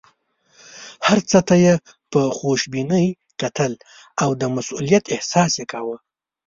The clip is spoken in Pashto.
هر څه ته یې په خوشبینۍ کتل او د مسوولیت احساس یې کاوه.